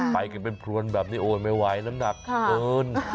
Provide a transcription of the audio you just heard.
ไปกันเป็นพรวนแบบนี้โอนไม่ไหวน้ำหนักเกิน